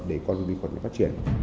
để con vi khuẩn phát triển